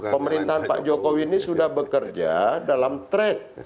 pemerintahan pak jokowi ini sudah bekerja dalam track